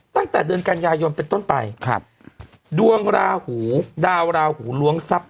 ตั้งแต่เดือนกันยายนเป็นต้นไปครับดวงราหูดาวราหูล้วงทรัพย